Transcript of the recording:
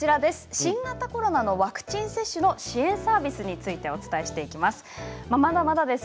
新型コロナのワクチン接種の支援サービスについてお伝えしていきます。